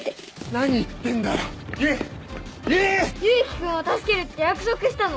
勇気君を助けるって約束したの。